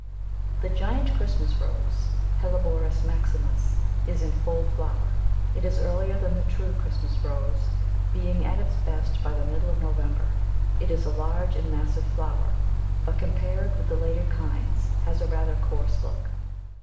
The giant Christmas Rose (Helleborus maximus) is in full flower; it is earlier than the true Christmas Rose, being at its best by the middle of November. It is a large and massive flower, but compared with the later kinds has a rather coarse look.